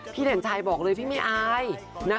เด่นชัยบอกเลยพี่ไม่อาย